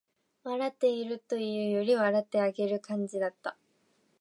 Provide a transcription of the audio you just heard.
笑っているというより、笑ってあげてる感じだった